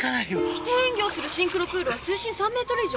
規定演技をするシンクロプールは水深３メートル以上。